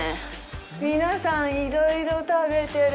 皆さん、いろいろ食べてる。